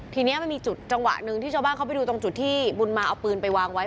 ทีนี้มันมีจุดจังหวะหนึ่งที่ชาวบ้านเขาไปดูตรงจุดที่บุญมาเอาปืนไปวางไว้